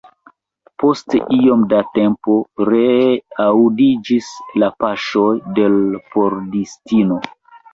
Post iom da tempo ree aŭdiĝis la paŝoj de l' pordistino.